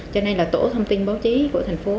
cho nên là tổ thông tin báo chí của thành phố